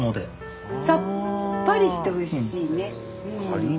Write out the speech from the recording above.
さっぱりしておいしいね。